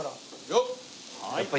よっ！